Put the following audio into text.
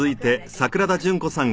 桜田淳子さん